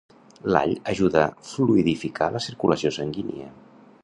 L'all ajuda a fluïdificar la circulació sanguínia.